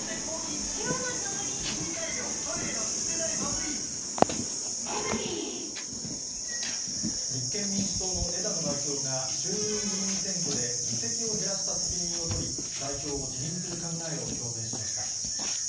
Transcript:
オイル１０本くれみたいな感立憲民主党の枝野代表が、衆議院議員選挙で議席を減らした責任を取り、代表を辞任する考えを表明しました。